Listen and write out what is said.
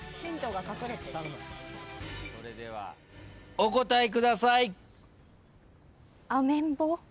お答えください。